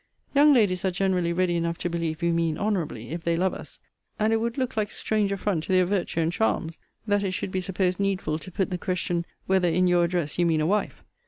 Young ladies are generally ready enough to believe we mean honourably, if they love us; and it would look lie a strange affront to their virtue and charms, that it should be supposed needful to put the question whether in your address you mean a wife.